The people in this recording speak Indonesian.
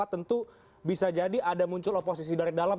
tentu bisa jadi ada muncul oposisi dari dalam